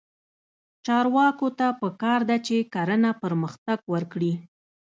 چارواکو ته پکار ده چې، کرنه پرمختګ ورکړي.